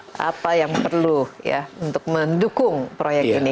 nah apa yang perlu ya untuk mendukung proyek ini